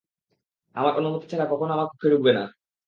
আমার অনুমতি ছাড়া কখনও আমার কক্ষে ঢুকবে না!